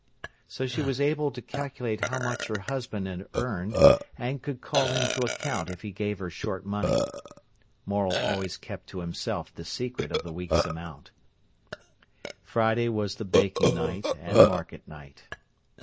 So she was able to calculate how much her husband had earned, and could call him to account if he gave her short money. Morel always kept to himself the secret of the week's amount. Friday was the baking night and market night.